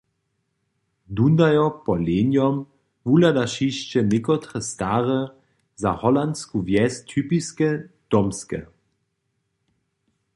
Dundajo po Lejnom wuhladaš hišće někotre stare, za holansku wjes typiske domske.